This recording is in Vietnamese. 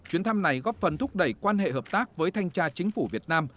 chuyến thăm này góp phần thúc đẩy quan hệ hợp tác với thanh tra chính phủ việt nam